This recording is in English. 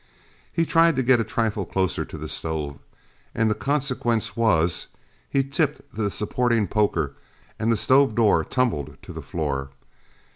He tried to get a trifle closer to the stove, and the consequence was, he tripped the supporting poker and the stove door tumbled to the floor.